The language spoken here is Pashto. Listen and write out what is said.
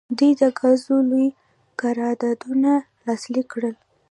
دوی د ګازو لوی قراردادونه لاسلیک کړل.